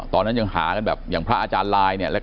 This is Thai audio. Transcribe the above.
ตอนนั้นยังหากันแบบอย่างพระอาจารย์ลายเนี่ย